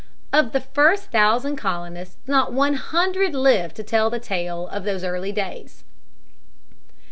Of the first thousand colonists not one hundred lived to tell the tale of those early days.